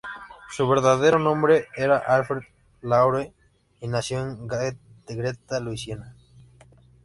Su verdadero nombre era Alfred LaRue, y nació en Gretna, Luisiana.